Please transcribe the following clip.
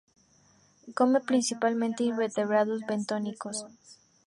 Come principalmente invertebrados bentónicos.